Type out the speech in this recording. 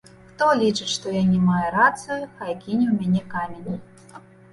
Хто лічыць, што я не мае рацыю, хай кіне ў мяне камень.